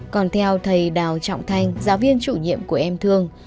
còn theo thầy đào trọng thanh giáo viên chủ nhiệm của em thương